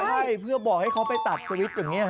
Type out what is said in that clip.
ใช่เพื่อบอกให้เขาไปตัดสวิตช์อย่างนี้